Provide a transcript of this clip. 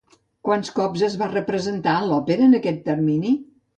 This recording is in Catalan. Quants cops es va representar l'òpera en aquest termini?